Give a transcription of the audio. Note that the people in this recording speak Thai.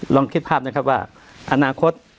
ลองคิดภาพนะครับว่าอนาคต